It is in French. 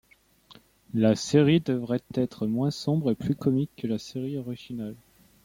La série devrait être moins sombre et plus comique que la série originale.